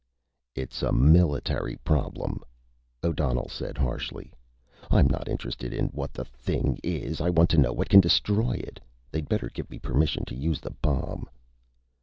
"It's a military problem," O'Donnell said harshly. "I'm not interested in what the thing is I want to know what can destroy it. They'd better give me permission to use the bomb."